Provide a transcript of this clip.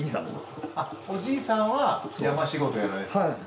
あおじいさんは山仕事やられてたんですね。